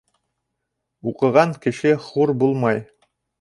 Уҡыған кеше хур булмай.